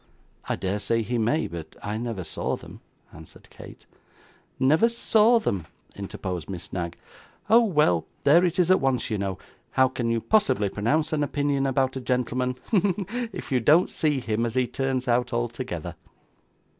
'I dare say he may, but I never saw them,' answered Kate. 'Never saw them!' interposed Miss Knag. 'Oh, well! There it is at once you know; how can you possibly pronounce an opinion about a gentleman hem if you don't see him as he turns out altogether?